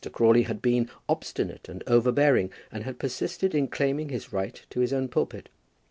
Crawley had been obstinate and overbearing, and had persisted in claiming his right to his own pulpit.